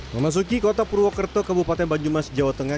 memasuki kota purwokerto kabupaten banjumas jawa tengah